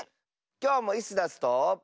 きょうもイスダスと。